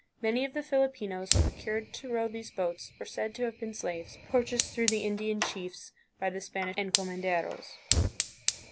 Many of the Filipinos, procured to row these boats, were said to have been slaves, purchased through the Indian chicis by the Spanish encomenderos.